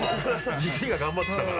ジジイが頑張ってたから？